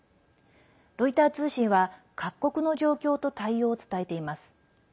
ロイター通信は各国の状況と対応を伝えています。